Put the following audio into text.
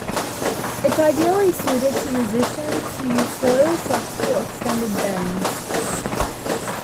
It is ideally suited to musicians who use slow, subtle, or extended bends.